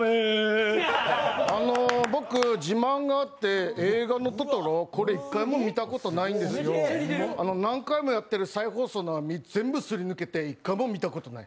僕自慢があって映画のトトロ、これ、一回も見たことないんですよ何回もやってる再放送を全部すり抜けて一回も見たことない。